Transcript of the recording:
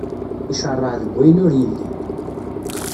Iceṛṛeɛ deg wayen ur yelli.